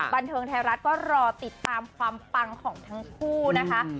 บันเทิงไทยรัฐก็รอติดตามความปังของทั้งคู่นะคะ